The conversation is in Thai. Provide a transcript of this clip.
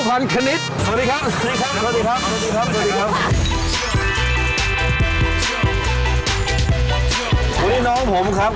วันนี้น้องผมครับ